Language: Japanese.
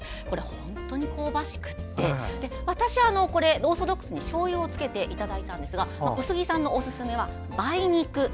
本当に香ばしくって私はオーソドックスにしょうゆをつけていただいたんですが小杉さんのおすすめは梅肉。